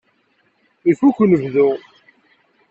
Ifuk unebdu.